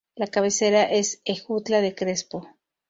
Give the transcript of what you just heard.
La cabecera es Ejutla de Crespo.